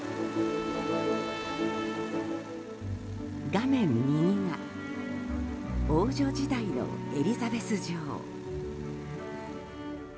画面右が王女時代のエリザベス女王。